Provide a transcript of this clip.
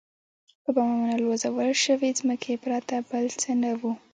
په بمانو الوزول شوې ځمکې پرته بل څه نه وو.